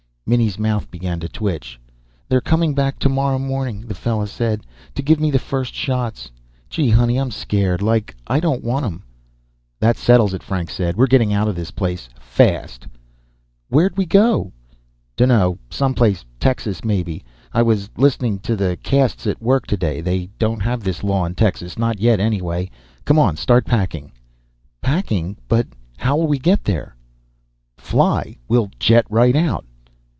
Minnie's mouth began to twitch. "They're coming back tomorra morning, the fella said. To give me the first shots. Gee, honey, I'm scared, like. I don't want 'em." "That settles it," Frank said. "We're getting out of this place, fast." "Where'd we go?" "Dunno. Someplace. Texas, maybe. I was listening to the 'casts at work today. They don't have this law in Texas. Not yet, anyway. Come on, start packing." "Packing? But how'll we get there?" "Fly. We'll jet right out."